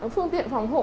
phương tiện phòng hộ